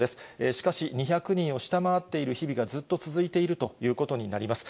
しかし、２００人を下回っている日々がずっと続いているということになります。